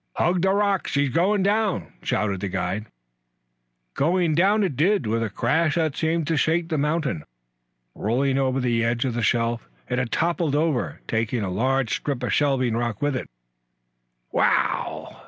"Hug the rocks! She's going down!" shouted the guide. Go down it did, with a crash that seemed to shake the mountain. Rolling to the edge of the shelf, it had toppled over, taking a large strip of shelving rock with it. "Wow!"